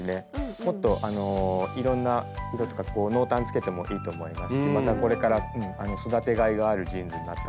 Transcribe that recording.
もっといろんな色とかこう濃淡つけてもいいと思いますしまたこれから育てがいがあるジーンズになったかなと思いますね。